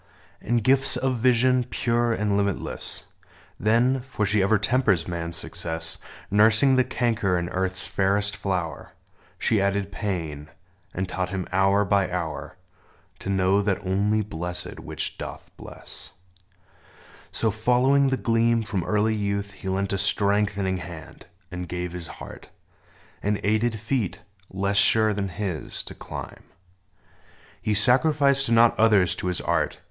And gifts of vision, pure and limitless : Then — for she ever tempers man's success, Nursing the canker in Earth's fairest flower — She added pain ; and taught him, hour by hour. To know that only blessed which doth bless ! 8 EDMUND CLARENCE STEDMAN So, following the Gleam from early youth, He lent a strengthening hand, and gave his heart. And aided feet, less sure than his, to climb : He sacrificed not others to his art.